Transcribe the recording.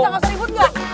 kita gak usah ribut gak